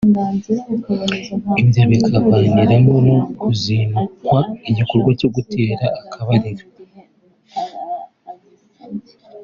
ibyo bikabaviramo no kuzinukwa igikorwa cyo gutera akabariro